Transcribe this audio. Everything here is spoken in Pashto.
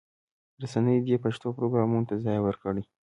رسنۍ دې پښتو پروګرامونو ته ځای ورکړي.